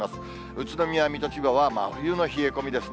宇都宮、水戸、千葉は真冬の冷え込みですね。